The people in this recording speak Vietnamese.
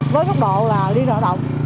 với thốc độ là liên lao động